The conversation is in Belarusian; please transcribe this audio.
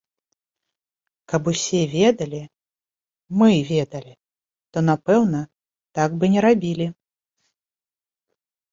Каб усе ведалі, мы ведалі, то, напэўна, так бы не рабілі.